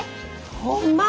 ホンマ！？